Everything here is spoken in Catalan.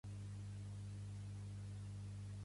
Pertany al moviment independentista el Julio?